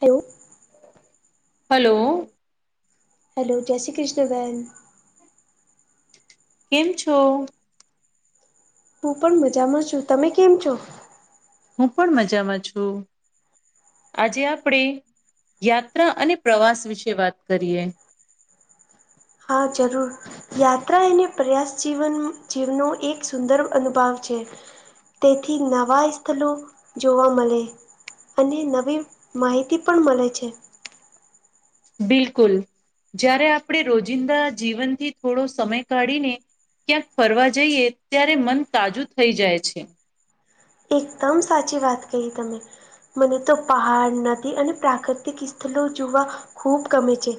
Hello. Hello. Hello જય શ્રી કૃષ્ણ બેહેન. કેમ છો. હું પણ મજામાં છું તમે કેમ છો. ્ હું પણ મજામાં છું. આજે આપણે યાત્રા અને પ્રવાસ વિશે વાત કરીએ. હા જરૂર. યાત્રા એને પ્રયાસ જીવન જીવનો એક સુંદર અનુભવ છે. તેથી નવાં સ્થળ જોવા મળે. અને નવી માહિતી પણ મળે છે. બિલકુલ જ્યારે આપણે રોજિંદા જીવનથી થોડો સમય કાઢીને ક્યાંક ફરવા જઈએ ત્યારે મન તાજુ થઈ જાય છે. એકદમ સાચી વાત કહી તમે. મને તો પહાડ નથી અને પ્રાકૃતિક સ્થળ જોવા ખૂબ ગમે છે.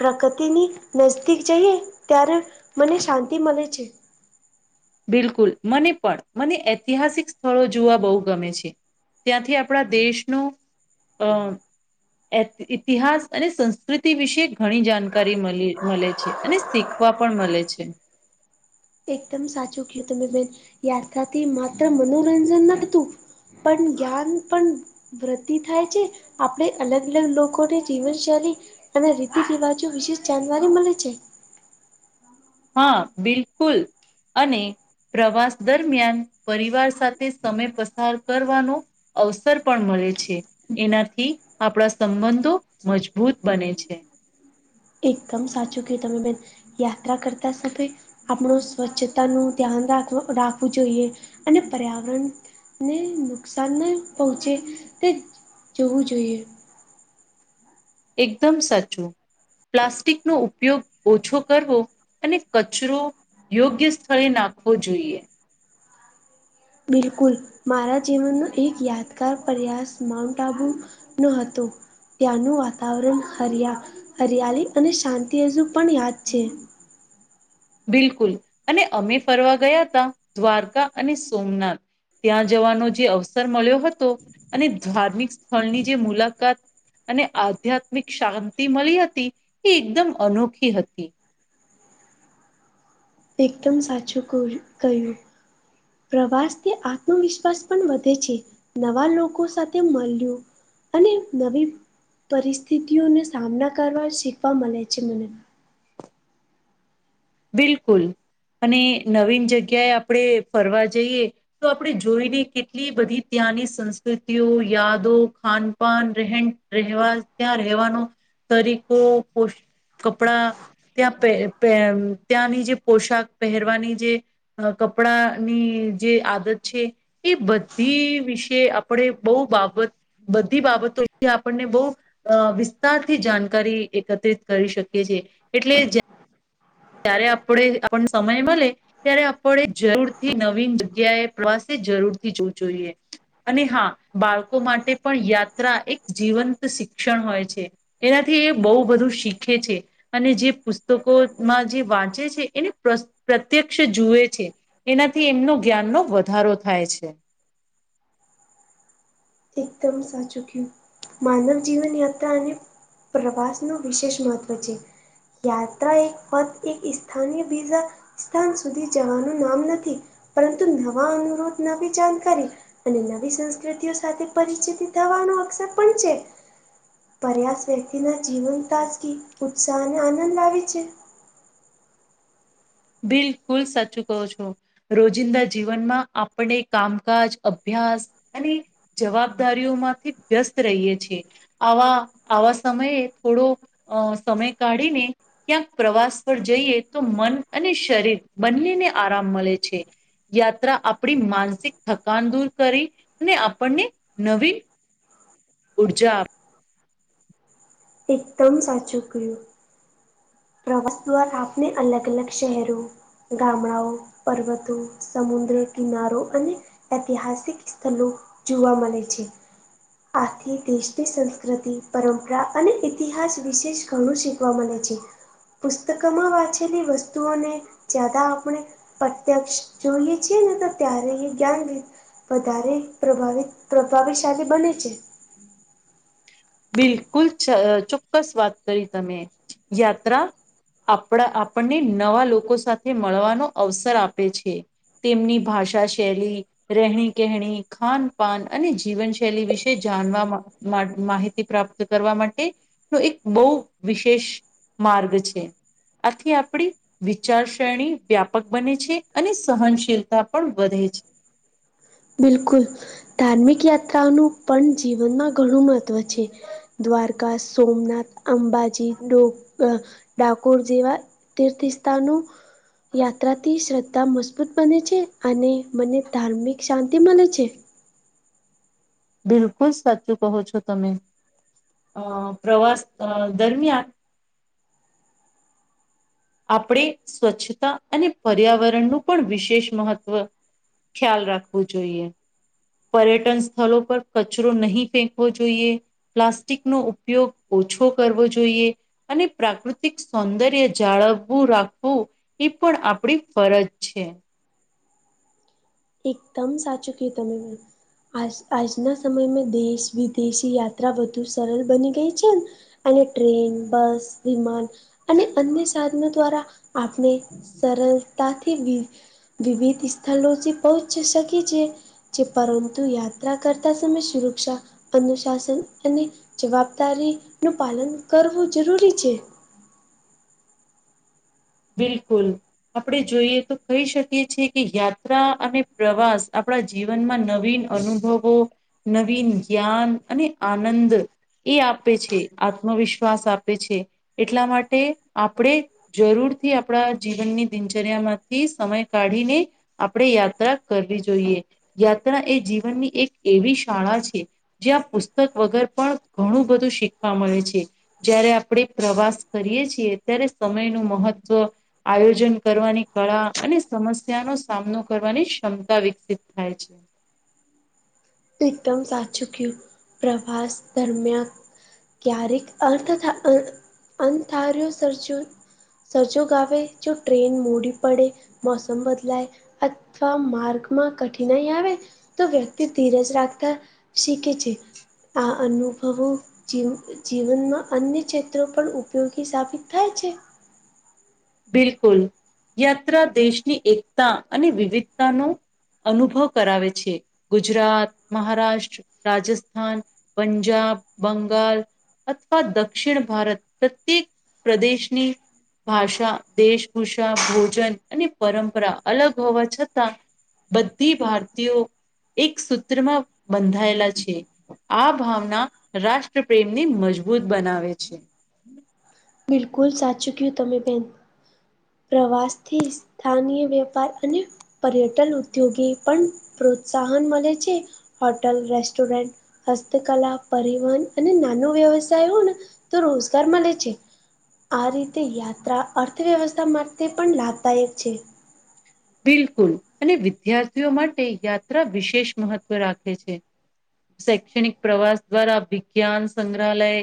પ્રકૃતિની નજદીક જઈએ ત્યારે મને શાંતિ મળે છે. બિલકુલ મને પણ મને ઐતિહાસિક સ્થળો જોવા બહુ ગમે છે. ત્યાંથી આપણા દેશનું અ ઇતિહાસ અને સંસ્કૃતિ વિશે ઘણી જાણકારી મળી મળે છે. અને શીખવા પણ મળે છે. એકદમ સાચું કું તમે બેન યાત્રાથી માત્ર મનોરંજન નતું. પણ જ્ઞાન પણ વૃદ્ધિ થાય છે આપણે અલગ અલગ લોકોને જીવનશૈલી અને રીતિ રિવાજો વિશેષ જાણવારી મળે છે. હા બિલકુલ અને પ્રવાસ દરમિયાન પરિવાર સાથે સમય પસાર કરવાનો. અવસર પણ મળે છે. એનાથી આપણા સંબંધો મજબૂત બને છે. એકદમ સાચું કે તમે બેન યાત્રા કરતા સમય. આપણું સ્વચ્છતા નું ધ્યાન રાખ રાખવું જોઈએ અને પર્યાવરણ ને નુકસાન ના પહોંચે તે જોવું જોઈએ. એકદમ સાચું. પ્લાસ્ટિક નો ઉપયોગ ઓછો કરવો અને કચરો યોગ્ય સ્થળે નાખવો જોઈએ બિલકુલ મારા જીવનનો એક યાદગાર પ્રયાસ માઉન્ટ આબુ નો હતું ત્યાંનું વાતાવરણ હરિયા હરિયાળી અને શાંતિ હજુ પણ યાદ છે બિલકુલ અને અમે ફરવા ગયા હતા દ્વારકા અને સોમનાથ ત્યાં જવાનો જે અવસર મળ્યો હતો અને ધાર્મિક સ્થળની જે મુલાકાત અને આધ્યાત્મિક શાંતિ મળી હતી એ એકદમ અનોખી હતી એકદમ સાચું ક કહ્યું પ્રવાસથી આત્મવિશ્વાસ પણ વધે છે નવા લોકો સાથે મળ્યું અને નવી પરિસ્થિતિઓને સામના કરવા શીખવા મળે છે મને બિલકુલ અને નવીન જગ્યાએ આપણે ફરવા જઈએ તો આપણે જોઈને કેટલી બધી ત્યાંની સંસ્કૃતિઓ યાદો ખાન પણ રહેવા ત્યાં રહેવાનો તરીકો કપડા ત્યાં પ ત્યાંની જે પોશાક પહેરવાની જે અ કપડા ની જે આદત છે એ બધી વિશે આપણે બહુ બાબત બધી બાબતો આપણને બહ અ વિસ્તારથી જાણકારી એકત્રિત કરી શકીએ છ છેીએ એટલે ત્યારે આપણે આપણને સમય મળે ત્યારે આપણે જરૂર થી નવીન જગ્યાએ પ્રવાસે જરૂરથી જોવું જોઈએ અને હા બાળકો માટે પણ યાત્રા એક જીવંત શિક્ષણ હોય છે એનાથી એ બહુ બધું શીખે છે અને જે પુસ્તકો માં જે વાંચે છે એને પ્રત્યક્ષ જુએ છે એનાથી એમનું જ્ઞાનનો વધારો થાય છે એકદમ સાચું કું માનવ જીવનયાત્રા અને પ્રવાસ ન વિશેષ મહત્વ છે યાત્રા એક પદ એક સ્થાનય વીઝા સ્થાન સુધી જવાનું નામ નથી પરંતુ નવા અનુરોધ નવી જાણકારી અને નવી સંસ્કૃતિઓ સાથે પરિચિત થવાનો અક્ષર પણ છે. પર્યાસ વ્યક્તિના જીવન તાસકી ઉત્સાહ અને આનંદ આવે છે. બિલકુલ સાચું કો છો. રોજિંદા જીવનમાં આપણે કામકાજ અભ્યાસ અને જવાબદારીઓ માંથી વ્યસ્ત રહીએ છીએ આવા આવા સમયે થોડો અ સમય કાઢીને ક્યાંક પ્રવાસ પર જઈએ તો મન અને શરીર બંનેને આરામ મળે છે. યાત્રા આપણી માનસિક થકાન દૂર કરી ને આપણને નવી ઉર્જા એકદમ સાચું ક્યું પ્રવાસ દ્વારા આપણે અલગ અલગ શહેરો ગામડાઓ પર્વતો સમુદ્ર કિનારો અને ઐતિહાસિક સ્થળ જોવા મળે છે. આથી દેશની સંસ્કૃતિ પરંપરા અને ઇતિહાસ વિશેષ ઘણું શીખવા મળે છે. પુસ્તકમાં વાંચેલી વસ્તુઓને જ્યાદા આપણે પ્રત્યક્ષ જોઈએ છીએ ને તો ત્યારે એ જ્ઞાન વધારે પ્રભાવ પ્રભાવિશાળી બને છે. બિલકુલ ચોક્કસ વાત કરી તમે યાત્રા આપણા આપણને નવા લોકો સાથે મળવાનો અવસર આપે છે. તેમની ભાષા શૈલી રહેણી કેણી ખાન પાાન અને જીવનશૈલી વિશે જાણવા માહિત એ પ્રાપ્ત કરવા માટે એક બહુ વિશેષ માર્ગ છે. અખી આપણી. વિચાર શ્રેણી વ્યાપક બને છે અને સહનશીલતા પણ વધે છે. બિલકુલ ધાર્મિક યાત્રાઓનું પણ જીવનમાં ઘણું મહત્ત્વ છે. દ્વારકા સોમનાથ અંબાજી ડો ડાકોર જેવા તીર્થસ્તાનું યાત્રાથી શ્રદ્ધા મજબૂત બને છે અને મને ધાર્મિક શાંતિ મને છે. બિલકુલ સાચું કહો છો તમે અ પ્રવાસ દરમિયાન આપણે સ્વચ્છતા અને પર્યાવરણનું પણ વિશેષ મહત્ત્વ ખ્યાલ રાખવું જોઈએ. પર્યટન સ્થળો પર કચરો નહીં ફેંકવો જોઈએ. પ્લાસ્ટિક નો ઉપયોગ ઓછો કરવો જોઈએ. અને પ્રાકૃતિક સૌંદર્ય જાળવવું રાખવું. એ પણ આપડી ફરજ છે. એકદમ સાચું કીતમવી. આ આજના સમયમાં દેશ વિદેશી યાત્રા વધુ સરળ બની ગઈ છે. અને ટ્રેન બસ વિમાન અને અન્ય સાધનો દ્વારા આપણે સરળતાથી વિ વિવિધ સ્થળોથી પહોંચી શકે છે પરંતુ યાત્રા કરતા સમય સુરક્ષા અનુશાસન અને જવાબદારી નું પાલન કરવું જરૂરી છે. બિલકુલ. આપણે જોઈએ તો કહી શકીએ છીએ કે યાત્રા અને પ્રવાસ આપણા જીવનમાં નવીન અનુભવો નવીન જ્ઞાન અને આનંદ એ આપે છે આત્મવિશ્વાસ આપે છે. એટલા માટે આપણે જરૂર થી આપણા જીવનની દિનચર્યા માંથી સમય કાઢીને આપણે યાત્રા કરવી જોઈએ યાત્રા એ જીવનની એક એવી શાળા છે. જ્યાં પુસ્તક વગર પણ ઘણું બધું શીખવા મળે છે. જય્યારે આપણે પ્રવાસ કરીએ છીએ ત્યારે સમય નું મહત્વ આયોજન કરવાની કળા અને સમસ્યાનો સામનો કરવાની ક્ષમતા વિકસિત થાય છે. એકદમ સાચું કયું પ્રવાસ દરમિયાન ક્યારેક અર્થ થ અ અન્થાર્યો સર્જ સજોગ આવે જો ટ્રેન મોડી પડે મોસમ બદલાય અથવા માર્ગમાં કઠિનાઈ આવે તો વ્યક્તિ ધીરજ રાખતા શીખે છે આ અનુભવો જ જીવનમાં અન્ય ક્ષેત્રો પણ ઉપયોગી સાબિત થાય છે. બિલકુલ યાત્રા દેશની એકતા અને વિવિધતાનો અનુભવ કરાવે છે ગુજરાત મહારાષ્ટ્ર રાજસ્થાન પંજાબ બંગાલ અથવા દક્ષિણ ભારત પ્રત્યેક પ્રદેશની ભાષા દેશભૂષા ભોજન અને પરંપરા અલગ હોવા છતાં. બધી ભારતીયો એક સૂત્રમાં બંધાયેલા છે. આ ભાવના રાષ્ટ્રપેમ ની મજબૂત બનાવે છે. બિલકુલ સાચું કયું તમે બેન. પ્રવાસથી સ્થાનીય વેપાર અને પર્યટન ઉદ્યોગે પણ પ્રોત્સાહન મળે છે હોટલ રેસ્ટોરન્ટ હસ્તકલા પરિવહન અને નાનો વ્યવસાય હો ને તો રોજગાર મળે છે. આ રીતે યાત્રા અર્થવ્યવસ્થા માટે પણ લાભદાયક છે. બિલકુલ અને વિદ્યાર્થીઓ માટે યાત્રા વિશેષ મહત્વ રાખે છે. શૈક્ષણિક પ્રવાસ દ્વારા વિજ્ઞાન સંગ્રહાલય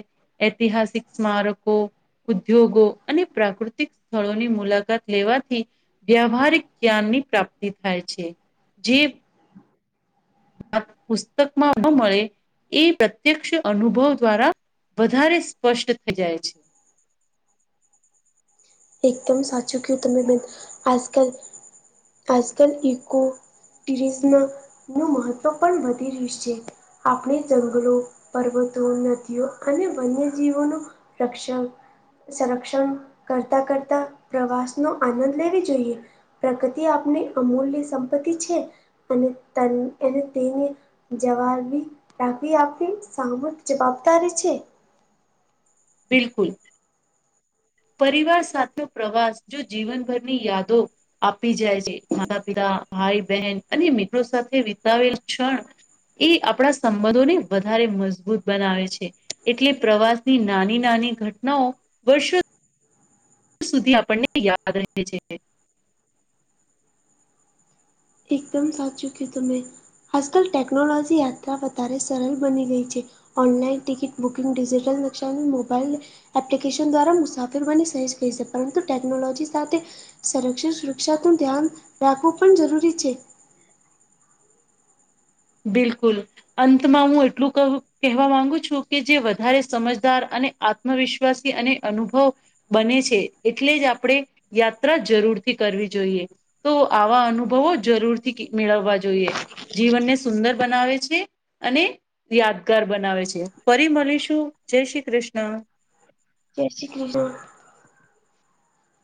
ઐતિહાસિક સ્મારકો ઉદ્યોગો અને પ્રાકૃતિક સ્થળોની મુલાકાત લેવાથી વ્યવહારિક જ્ઞાનની પ્રાપ્તિ થાય છે જે અ પુસ્તકમાં ન મળે એ પ્રત્યક્ષ અનુભવ દ્વારા વધારે સ્પષ્ટ થઈ જાય છે. એકદમ સાચું કેવ તમે બેન આજ કલ આજ કલ ઇકો ટિરિસમા નું મહત્ત્વ પણ વધી રીહ્યું છે. આપણે જંગલો પર્વતો નદીઓ અને વન્યજીવોનો રક્ષણ, સંરક્ષણ તા કરતા પ્રવાસનો આનંદ લેવી જોઈએ. પ્રકતિ આપની અમૂલ્ય સંપતિ છે અને તન એને તેની જવાર બી રાકી આપણી સામૂહિક જવાબદારી છે. બિલકુલ, પરિવાર સાથે પ્રવાસ જો જીવનભરની યાદો આપી જાય છે, માતા- પિતા, ભાઈ- બેહેન અને મિત્રો સાથે વિતાવેલ ક્ષણ એ આપણા સંબધોને વધારે મજબૂત બનાવે છે. એટલે પ્રવાસની નાની નાની ઘટનાઓ વર્ષો સુધી આપણને યાદ રહે છે. એકદમ સાચું કીયુ તમે આજકાલ ટેકનોલોજી યાત્રા વધારે સરલ બની ગઈ છે. ઓનલાઈન ટિકિટ બુકિંગ, ડિજિટલ નક્ષાનુ મોબાઈલ એપ્લિકેશન દ્વારા મુસાફરવાની સહેજ કહી છે, પરંતુ ટેકનોલોજી સાથે સંરક્ષિત સુરક્ષાનું ધ્યાન રાખવું પણ જરૂરી છે. બિલકુલ, અંતમાં હું એટલું કઉ કેહેવા માંગુ છું કે જે વધારે સમજદાર અને આત આત્મવિશ્વાસી અને અનુભવ બને છે, એટલે જ આપણે યાત્રા જરૂરથી કરવી જોઈએ. તો આવા અનુભવો જરૂરથી કી મેળવવા જોઈએ, જીવનને સુંદર બનાવે છે, અને યાદગાર બનાવે છે, ફરી મલીશું, જય શ્રી કૃષ્ણ! જય શ્રી કૃષ્ણ!